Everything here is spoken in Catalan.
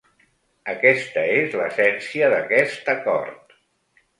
Aquesta és l’essència d’aquest acord.